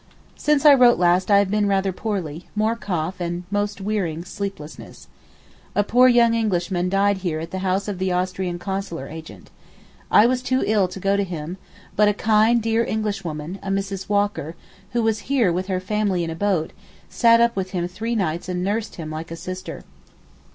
Since I wrote last I have been rather poorly—more cough, and most wearing sleeplessness. A poor young Englishman died here at the house of the Austrian Consular agent. I was too ill to go to him, but a kind, dear young Englishwoman, a Mrs. Walker, who was here with her family in a boat, sat up with him three nights and nursed him like a sister.